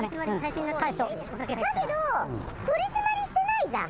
だけど、取締りしてないじゃん。